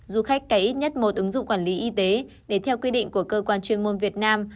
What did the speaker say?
du khách có ít nhất một ứng dụng quản lý y tế để theo quy định của cơ quan chuyên môn việt nam